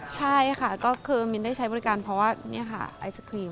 ใช่ค่ะก็คือมินได้ใช้บริการเพราะว่านี่ค่ะไอศครีม